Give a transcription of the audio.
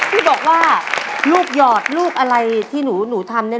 ที่บอกว่าลูกหยอดลูกอะไรที่หนูทำเนี่ย